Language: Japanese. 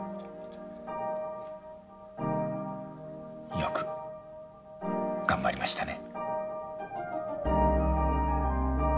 よく頑張りましたね。